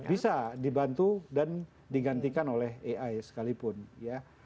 bisa dibantu dan digantikan oleh ai sekalipun ya